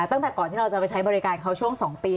ตั้งแต่ก่อนที่เราจะไปใช้บริการเขาช่วง๒ปี